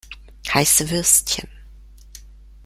Heiße Würstchen!